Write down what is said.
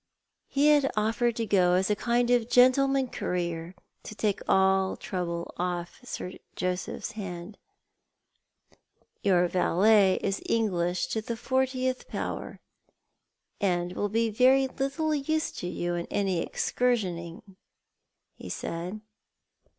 He had offered to go as a kind of gentleman courier, to take all trouble off Sir Joseph's hands. " Your valet is English to the fortieth power, and will be very little use to you in any excursionising," he said.